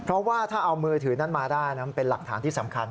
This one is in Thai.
เพราะว่าถ้าเอามือถือนั้นมาได้นั้นเป็นหลักฐานที่สำคัญ